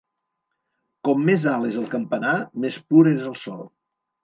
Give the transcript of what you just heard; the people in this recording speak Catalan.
Com més alt és el campanar, més pur és el so.